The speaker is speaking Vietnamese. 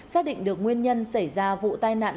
xác định được nguyên nhân xảy ra vụ tai nạn